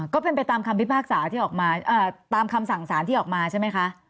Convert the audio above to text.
ก็เป็นไปตามคำสั่งสารที่ออกมาใช่ไหมคะ